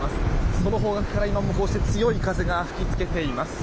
その方角から今もこうして強い風が吹きつけています。